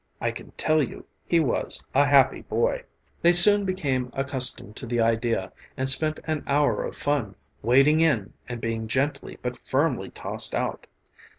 I can tell you he was a happy boy. They soon became accustomed to the idea and spent an hour of fun wading in and being gently but firmly tossed out.